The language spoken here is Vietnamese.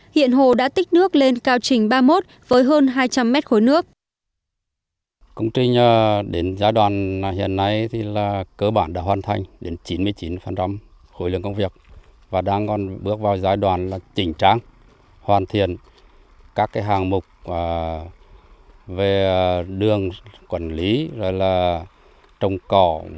hiện hồ đã tích nước lên cao trình ba mươi một với hơn hai trăm linh mét khối nước